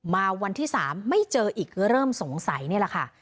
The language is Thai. มาวันที่๓ไม่เจออีกก็เริ่มสงสัยนี่แหละค่ะ